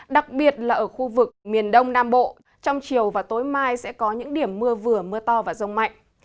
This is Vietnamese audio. đặc biệt là ở khu vực miền đông nam bộ trong chiều và tối mai sẽ có những điểm mưa vừa mưa to và rông mạnh